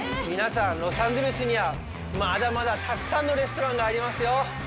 皆さん、ロサンゼルスには、まだまだたくさんのレストランがありますよ。